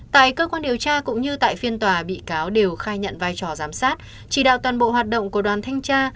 tại cơ quan điều tra cũng như tại phiên tòa bị cáo đều khai nhận vai trò giám sát chỉ đạo toàn bộ hoạt động của đoàn thanh tra